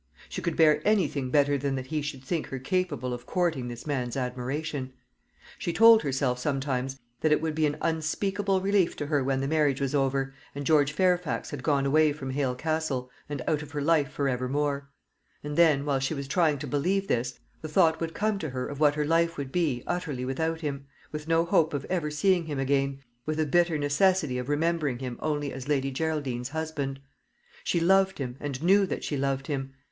She could bear anything better than that he should think her capable of courting this man's admiration. She told herself sometimes that it would be an unspeakable relief to her when the marriage was over, and George Fairfax had gone away from Hale Castle, and out of her life for evermore; and then, while she was trying to believe this, the thought would come to her of what her life would be utterly without him, with no hope of ever seeing him again, with the bitter necessity of remembering him only as Lady Geraldine's husband. She loved him, and knew that she loved him.